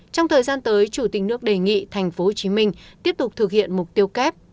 trong thời gian tới chủ tịch nước đề nghị tp hcm tiếp tục thực hiện mục tiêu kép